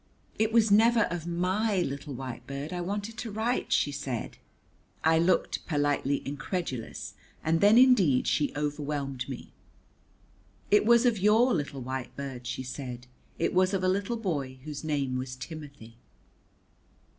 "It was never of my little white bird I wanted to write," she said. I looked politely incredulous, and then indeed she overwhelmed me. "It was of your little white bird," she said, "it was of a little boy whose name was Timothy."